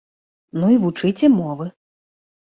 Ну і вучыце мовы.